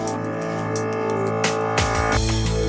ชื่อฟอยแต่ไม่ใช่แฟง